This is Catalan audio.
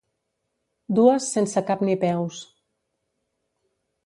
Dues sense cap ni peus.